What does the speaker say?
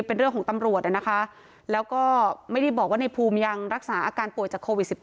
เป็นเรื่องของตำรวจ